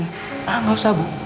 gak usah bu